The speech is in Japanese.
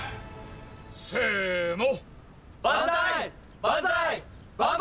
せの！